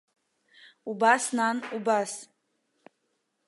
Убас, нан, убас!